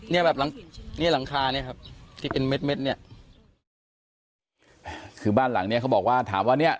เนี่ยแบบหลังเนี้ยหลังคาเนี้ยครับที่เป็นเม็ดเม็ดเนี้ยคือบ้านหลังเนี้ยเขาบอกว่าถามว่าเนี้ย